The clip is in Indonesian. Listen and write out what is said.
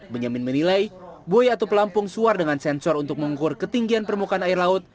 benyamin menilai buaya atau pelampung suar dengan sensor untuk mengukur ketinggian permukaan air laut